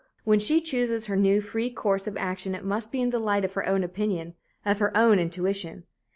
When she chooses her new, free course of action, it must be in the light of her own opinion of her own intuition.